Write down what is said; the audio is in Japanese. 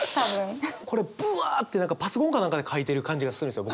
これぶわって何かパソコンか何かで書いてる感じがするんですよ